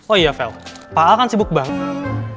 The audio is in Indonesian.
oh iya vel pak al kan sibuk banget